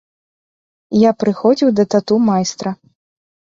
Я прыходзіў да тату-майстра.